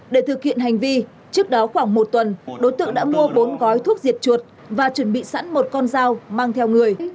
để thực hiện hành vi trước đó khoảng một tuần đối tượng đã mua bốn gói thuốc diệt chuột và chuẩn bị sẵn một con dao mang theo người